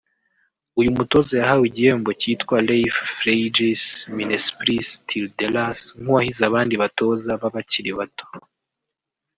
uyu mutoza yahawe igihembo kitwa Leif freijs Minnespris Tilldelas nk’uwahize abandi batoza b’abakiri bato